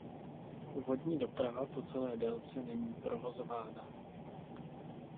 Vodní doprava po celé délce není provozována.